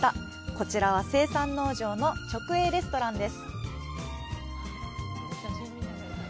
こちらは生産農場の直営レストランです。